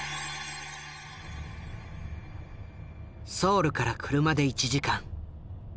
ソウルから車で１時間。